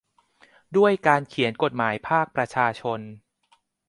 ด้วยการเขียนกฎหมายภาคประชาชน